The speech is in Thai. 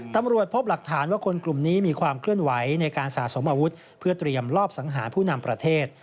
ตำรวจพบหลักฐานว่าคนกลุ่มนี้มีความเคลื่อนไหวในการสะสมอาวุธเพื่อเตรียมลอบสังหาผู้นำประเทศ